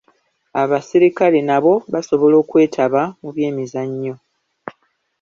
Asirikale nabo basobola okwetaaba mu byemizannyo.